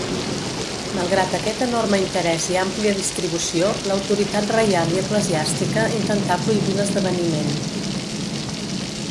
Malgrat aquest enorme interès i àmplia distribució, l'autoritat reial i eclesiàstica intentà prohibir l'esdeveniment.